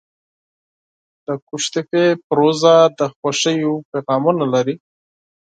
د قوشتېپې پروژه د خوښیو پیغامونه لري.